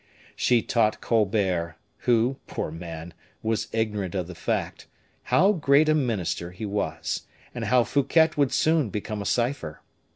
She taught Colbert, who, poor man! was ignorant of the fact, how great a minister he was, and how Fouquet would soon become a cipher.